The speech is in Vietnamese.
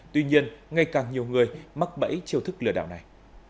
tuy nhiên ngày càng nhiều người mắc bẫy chiều thức lừa đảo này